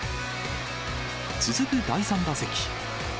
続く第３打席。